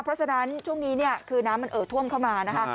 เพราะฉะนั้นช่วงนี้เนี่ยคือน้ำมันเอ่อท่วมเข้ามานะคะ